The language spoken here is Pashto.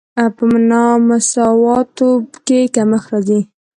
په نامساواتوب کې کمښت راځي.